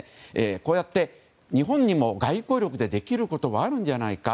こうやって、日本にも外交力でできることがあるんじゃないか。